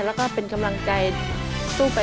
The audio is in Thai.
และก็เป็นกำลังใจสู้ไปด้วยกันตลอดไป